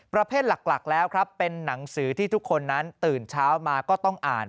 ประเภทหลักแล้วครับเป็นหนังสือที่ทุกคนนั้นตื่นเช้ามาก็ต้องอ่าน